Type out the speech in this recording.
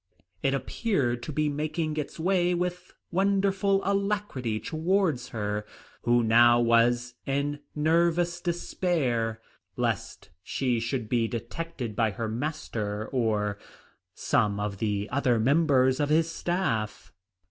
It appeared to be making its way with wonderful alacrity towards her, who now was in nervous despair lest she should be detected by her master, or some of the other members of his staff.